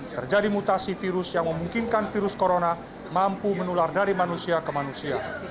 terjadi mutasi virus yang memungkinkan virus corona mampu menular dari manusia ke manusia